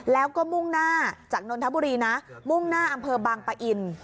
แล้วก็มุ่งหน้าจากนนทบุรีนะมุ่งหน้าอำเภอบางปะอิน